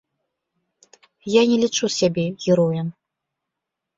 Я не лічу сябе героем.